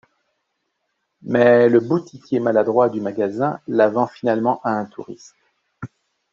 Mais le boutiquier maladroit du magasin la vend finalement à un touriste.